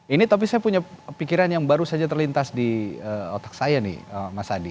ini tapi saya punya pikiran yang baru saja terlintas di otak saya nih mas adi